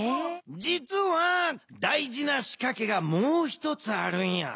じつは大事なしかけがもう一つあるんや。